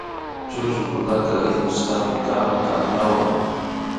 Chukllukunaka ismushkami kan tamyawan